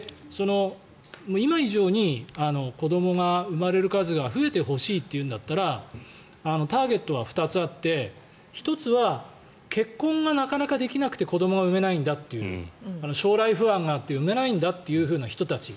今以上に子どもが生まれる数が増えてほしいというんだったらターゲットは２つあって１つは結婚がなかなかできなくて子どもが生めないんだという将来不安があって産めないんだという人たち。